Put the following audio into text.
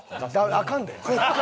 アカンで。